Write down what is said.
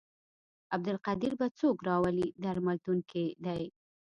عبدالقدیر به څوک راولي درملتون کې دی.